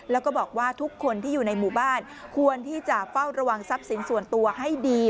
แล้วก็บอกว่าทุกคนที่อยู่ในหมู่บ้านควรที่จะเฝ้าระวังทรัพย์สินส่วนตัวให้ดี